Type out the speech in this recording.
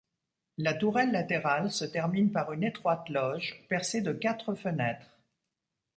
La tourelle latérale se termine par une étroite loge, percée de quatre fenêtres.